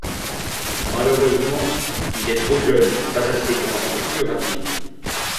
Malheureusement, il est trop jeune, pas assez grand et peu rapide.